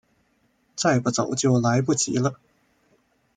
再不走就来不及了